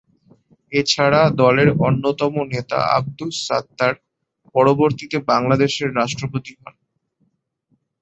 এছাড়া, দলের অন্যতম নেতা আবদুস সাত্তার পরবর্তীতে বাংলাদেশের রাষ্ট্রপতি হন।